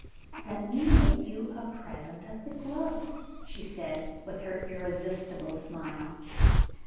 "Let me make you a present of the gloves," she said, with her irresistible smile.